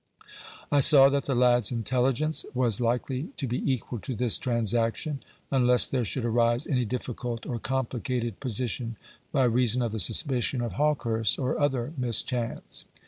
I saw that the lad's intelligence was likely to be equal to this transaction, unless there should arise any difficult or complicated position by reason of the suspicion of Hawkehurst, or other mischance.